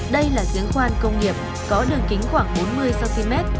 đây là giếng khoan công nghiệp có đường kính khoảng bốn mươi cm